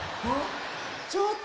ちょっと。